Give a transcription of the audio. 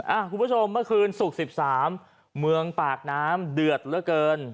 อ่าคุณผู้ชมเมื่อคืนศุกร์สิบสามเมืองปากน้ำเดือดเยอะเกิน